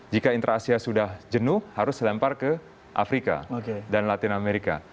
jika intra asia sudah jenuh harus dilempar ke afrika dan latin amerika